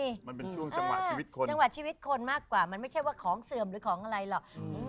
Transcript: มันเป็นช่วงจังหวะชีวิตคนจังหวะชีวิตคนมากกว่ามันไม่ใช่ว่าของเสื่อมหรือของอะไรหรอกอืม